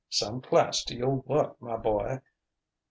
"Some class to your work, my boy!"